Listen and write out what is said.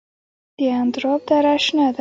د اندراب دره شنه ده